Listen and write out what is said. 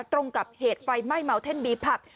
ตรงกับเหตุไฟไหม้เมาเท่นบีผับ